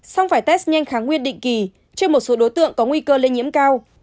xong phải test nhanh kháng nguyên định kỳ trên một số đối tượng có nguy cơ lên nhiễm cao